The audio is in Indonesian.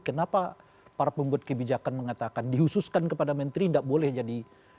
kenapa para pembuat kebijakan mengatakan dihususkan kepada menteri tidak boleh jadi